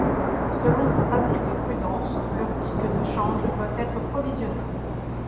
Selon le principe de prudence, le risque de change doit être provisionné.